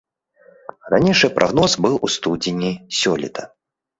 Ранейшы прагноз быў у студзені сёлета.